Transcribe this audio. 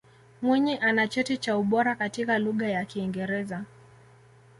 Mwinyi ana cheti cha ubora katika Lugha ya Kiingereza